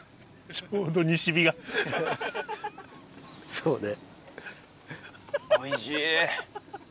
そうね。